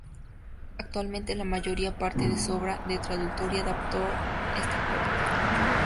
Actualmente, la mayor parte de su obra de traductor y adaptador está perdida.